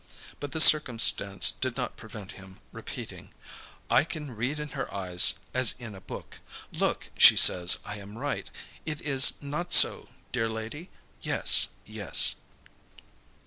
But this circumstance did not prevent him repeating: "I can read in her eyes as in a book. Look, she says I am right. Is it not so, dear lady? Yes, yes."